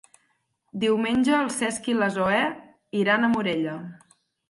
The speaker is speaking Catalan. Diumenge en Cesc i na Zoè iran a Morella.